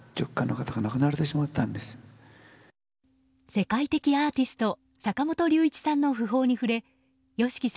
世界的アーティスト坂本龍一さんの訃報に触れＹＯＳＨＩＫＩ